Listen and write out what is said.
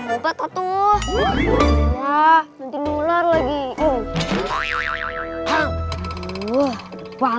lu enggak seperti mbak